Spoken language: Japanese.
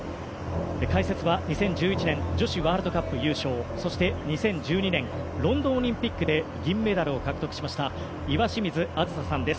解説は２０１１年女子ワールドカップ優勝そして２０１２年ロンドンオリンピックで銀メダルを獲得しました岩清水梓さんです。